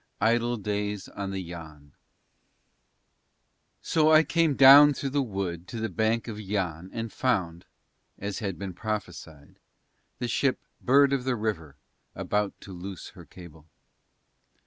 IDLE DAYS ON THE YANN So I came down through the wood to the bank of Yann and found, as had been prophesied, the ship Bird of the River about to loose her cable.